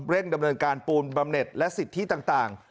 ดำเนินการปูนบำเน็ตและสิทธิต่าง